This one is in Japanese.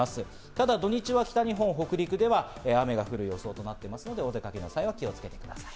ただ土日は北日本北陸では雨が降る予想となっているのでお出かけの際は気をつけてください。